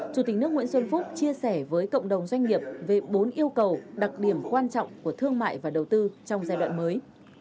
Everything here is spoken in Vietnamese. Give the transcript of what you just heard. chủ tịch nước nguyễn xuân phúc chia sẻ với cộng đồng doanh nghiệp về bốn yêu cầu đặc điểm quan trọng của thương mại và đầu tư trong giai đoạn mới